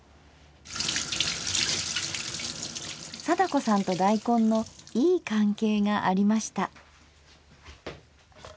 貞子さんと大根のいい関係がありました。